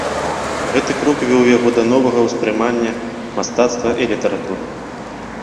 Гэты крок вёў яго да новага ўспрымання мастацтва і літаратуры.